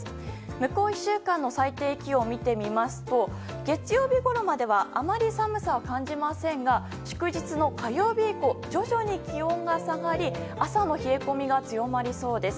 向こう１週間の最低気温を見てみますと月曜日ごろまでは寒さはあまり感じませんが祝日の火曜日以降徐々に気温が下がり朝の冷え込みが強まりそうです。